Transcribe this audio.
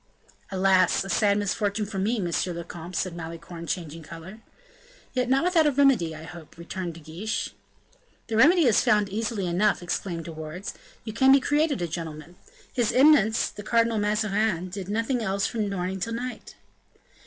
"Alas! a sad misfortune for me, monsieur le comte," said Malicorne, changing color. "Yet not without remedy, I hope," returned De Guiche. "The remedy is found easily enough," exclaimed De Wardes; "you can be created a gentleman. His Eminence, the Cardinal Mazarin, did nothing else from morning till night."